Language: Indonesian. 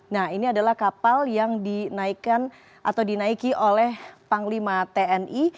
nah ini adalah kapal yang dinaiki oleh panglima tni